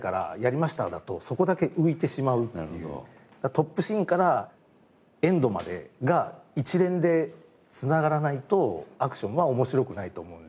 トップシーンからエンドまでが一連で繋がらないとアクションは面白くないと思うので。